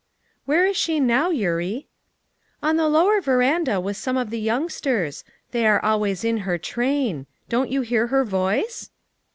4 'Where is she now, Eurie?" "On the lower veranda with some of the youngsters; they are always in her train. Don't you hear her voice?"